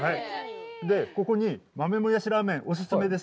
ここに豆もやしラーメンお勧めです。